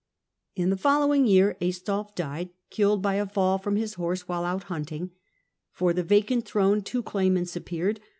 In the following year Aistulf died, killed by a fall from his horse while out hunting. For the vacant throne two claimants appeared.